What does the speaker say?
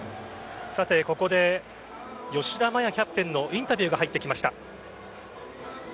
ここで吉田麻也キャプテンのインタビューが入ってきました。